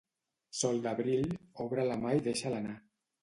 Sol d'abril, obre la mà i deixa'l anar.